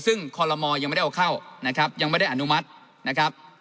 ซึ่งคอลโลมอร์ยังไม่ได้เอาเข้ายังไม่ได้อนุมัติ